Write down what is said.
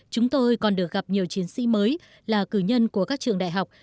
chúng tôi còn được gặp nhiều chiến sĩ mới là cử nhân của các trường đại học